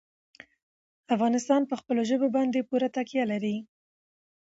افغانستان په خپلو ژبو باندې پوره تکیه لري.